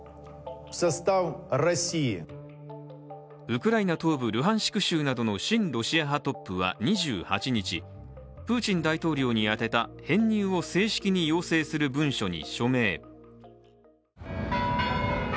ウクライナ東部ルハンシク州などの親ロシア派トップは２８日、プーチン大統領に宛てた編入を正式に要請する文書に署名。